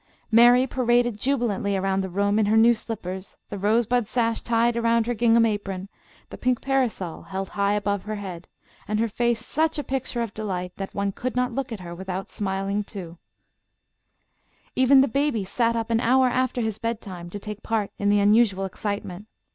Mary paraded jubilantly around the room in her new slippers, the rosebud sash tied around her gingham apron, the pink parasol held high above her head, and her face such a picture of delight that one could not look at her without smiling, too. [ILLUSTRATION: "SHE SORTED THE RIBBONS AND EXAMINED THE GLOVES."] Even the baby sat up an hour after his bedtime, to take part in the unusual excitement.